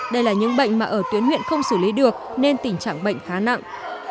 đây là những bệnh mà ở tuyến huyện không xử lý được nên tình trạng bệnh khá nặng